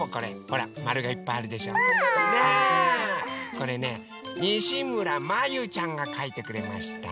これねにしむらまゆちゃんがかいてくれました。